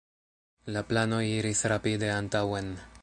La planoj iris rapide antaŭen.